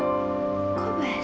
ma aku mau pergi